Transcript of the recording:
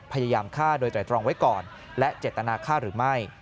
พยายามฆ่าโดยไตรตรองไว้ก่อนและเจตนาฆ่าหรือไม่